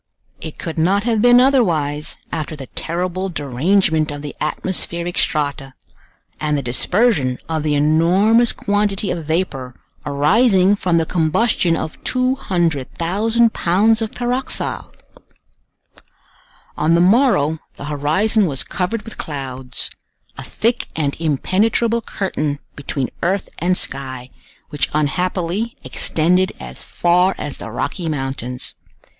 It could not have been otherwise after the terrible derangement of the atmospheric strata, and the dispersion of the enormous quantity of vapor arising from the combustion of 200,000 pounds of pyroxyle! On the morrow the horizon was covered with clouds—a thick and impenetrable curtain between earth and sky, which unhappily extended as far as the Rocky Mountains.